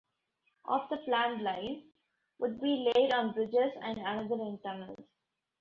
Of the planned line, would be laid on bridges, and another in tunnels.